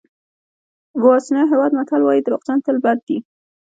بوسوانیا هېواد متل وایي دروغجن تل بد دي.